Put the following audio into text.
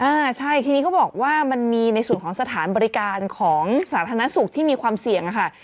อ่าใช่ทีนี้เขาบอกว่ามันมีในส่วนของสถานบริการของสาธารณสุขที่มีความเสี่ยงอะค่ะ